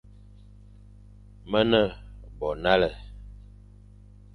Me ne bo nale,